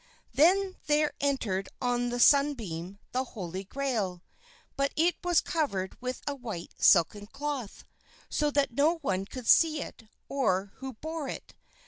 Then there entered on the sunbeam the Holy Grail, but it was covered with a white silken cloth, so that no one could see it, or who bore it.